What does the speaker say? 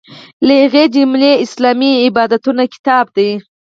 له هغې جملې اسلامي عبادتونه کتاب دی.